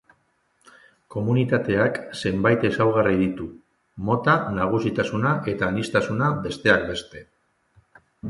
Komunitateak zenbait ezaugarri ditu: mota nagusitasuna eta aniztasuna, besteak beste.